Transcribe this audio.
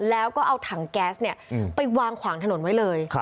แล้วก็เอาถังแก๊สไปวางขวางถนนไว้เลย